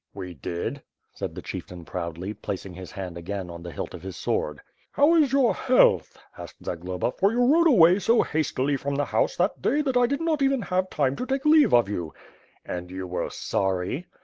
"We did/' said the chieftain proudly, placing his hand again on the hilt of his sword. "How is your health?" asked Zagloba, "for you rode away so hastily from the house that day that I did not even have time to take leave of you." "And you were sorry?"